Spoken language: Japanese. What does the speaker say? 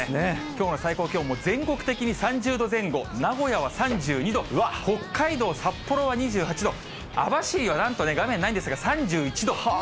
きょうの最高気温、全国的に３０度前後、名古屋は３２度、北海道札幌は２８度、網走はなんとね、画面にないんですが３１度。